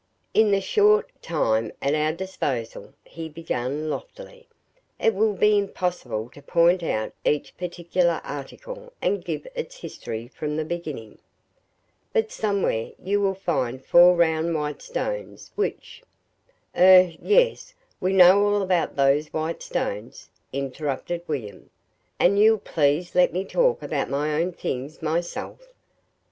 "In the short time at our disposal," he began loftily, "it will be impossible to point out each particular article and give its history from the beginning; but somewhere you will find four round white stones, which " "Er yes, we know all about those white stones," interrupted William, "and you'll please let me talk about my own things myself!"